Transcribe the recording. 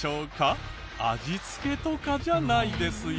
味付けとかじゃないですよ。